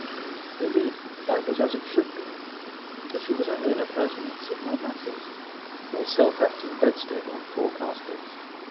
Indeed, that was as it should be; for she was only an appurtenance of my mattress, or self acting bedstead on four castors.